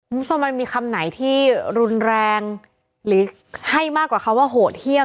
คุณผู้ชมมันมีคำไหนที่รุนแรงหรือให้มากกว่าคำว่าโหดเยี่ยม